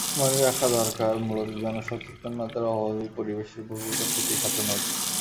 মনে রাখা দরকার, মূলত জনসচেতনতার অভাবেই পরিবেশের প্রভূত ক্ষতি সাধন হচ্ছে।